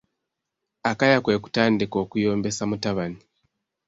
Akaya kwe kutandika okuyombesa mutabani.